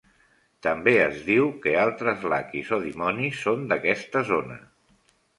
També es diu que altres "Lakheys" o dimonis són d'aquesta zona.